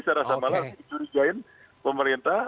saya rasa malah dicurigain pemerintah